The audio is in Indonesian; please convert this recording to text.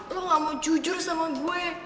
lo gak mau jujur sama gue